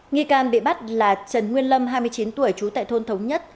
nghị can bị bắt là trần nguyên lâm hai mươi chín tuổi chú tại thôn thống nhất